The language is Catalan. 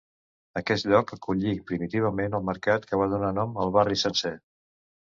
Aquest lloc acollí primitivament el mercat que va donar nom al barri sencer.